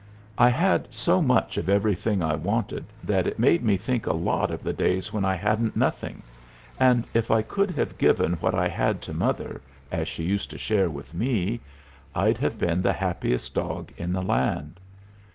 I had so much of everything I wanted that it made me think a lot of the days when I hadn't nothing, and if I could have given what I had to mother, as she used to share with me, I'd have been the happiest dog in the land.